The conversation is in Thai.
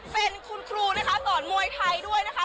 เป็นคุณครูนะคะสอนมวยไทยด้วยนะคะ